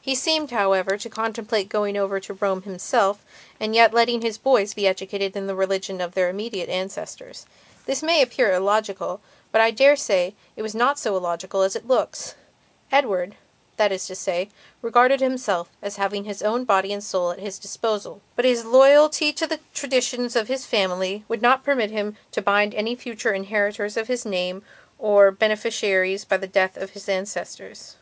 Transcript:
He seemed, however, to contemplate going over to Rome himself and yet letting his boys be educated in the religion of their immediate ancestors. This may appear illogical, but I dare say it is not so illogical as it looks. Edward, that is to say, regarded himself as having his own body and soul at his own disposal. But his loyalty to the traditions of his family would not permit him to bind any future inheritors of his name or beneficiaries by the death of his ancestors.